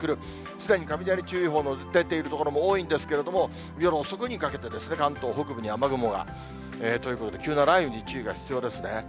すでに雷注意報の出ている所も多いんですけれども、夜遅くにかけてですね、関東北部に雨雲が。ということで、急な雷雨に注意が必要ですね。